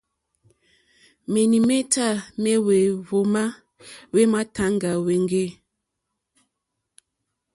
Menimeta me hwehvuma hwe matàŋga hweŋge.